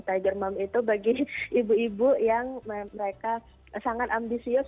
tiger mom itu bagi ibu ibu yang mereka sangat ambisius